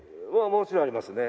もちろんありますね。